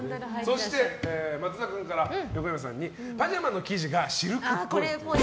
そして、松田君から横山さんにパジャマの生地がシルクっぽい。